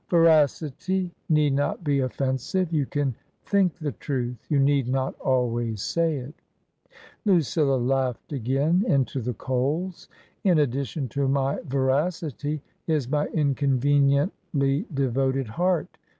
20* 234 TRANSITION. " Veracity need not be offensive. You can think the truth ; you need not always say it." Lucilla laughed again into the coals. " In addition to my veracity is my inconveniently de voted heart.